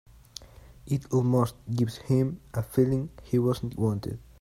It almost gives him a feeling he wasn't wanted.